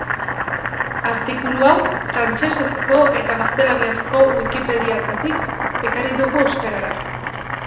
Artikulu hau frantsesezko eta gaztelaniazko Wikipedietatik ekarri dugu euskarara.